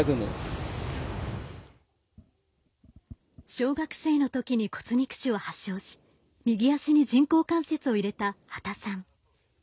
小学生の時に骨肉腫を発症し右足に人工関節を入れた波田さん。